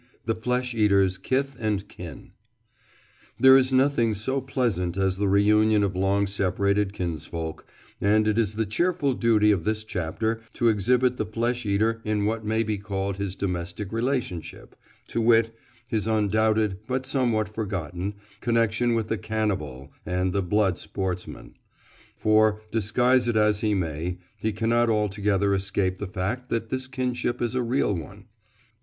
THE FLESH EATER'S KITH AND KIN There is nothing so pleasant as the reunion of long separated kinsfolk, and it is the cheerful duty of this chapter to exhibit the flesh eater in what may be called his domestic relationship, to wit, his undoubted, but somewhat forgotten, connection with the cannibal and the blood sportsman. For, disguise it as he may, he cannot altogether escape the fact that this kinship is a real one.